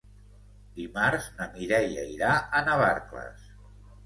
Dimarts na Mireia irà a Navarcles.